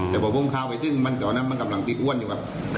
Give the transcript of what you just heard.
แต่พวกพวกเขาไปชื่นตอนนั้นมันกำลังติดอ้วนอยู่ครับ